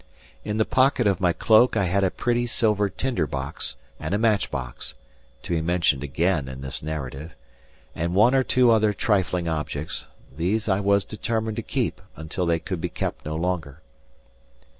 In the pocket of my cloak I had a pretty silver tinder box, and a match box to be mentioned again in this narrative and one or two other trifling objects; these I was determined to keep until they could be kept no longer.